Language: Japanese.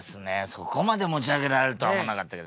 そこまで持ち上げられるとは思わなかったけど。